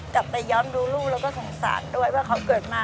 กลับไปย้อนดูลูกแล้วก็สงสารด้วยว่าเขาเกิดมา